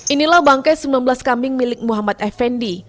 inilah bangkai sembilan belas kambing milik muhammad effendi